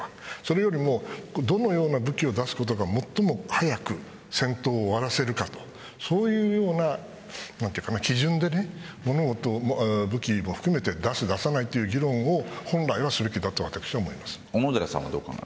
それよりも、どのような武器を出すことが最も早く戦闘を終わらせるかとそういうような基準で物事を武器も含めて出す出さないという議論を本来はすべきだと私は思います。